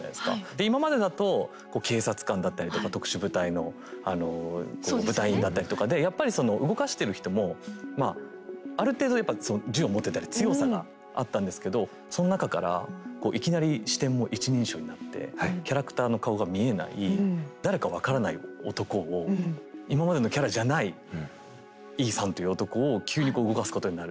で今までだとこう警察官だったりとか特殊部隊の部隊員だったりとかでやっぱりその動かしてる人もまあある程度やっぱ銃を持ってたり強さがあったんですけどその中からこういきなり視点も一人称になってキャラクターの顔が見えない誰か分からない男を今までのキャラじゃないイーサンという男を急にこう動かすことになる。